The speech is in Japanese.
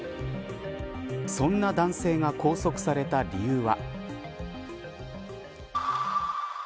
そんな男性が拘束された理由は。